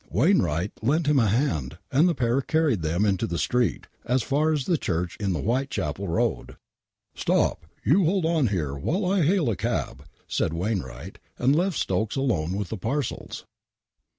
Wainwright lent him a hand, and the pair carried them into the street, as f &r as the Church in the Whitechapel Koad. " Stop ! You hold on here while I hail a cab," said Wain wright, and left Stokes alone with the parcels.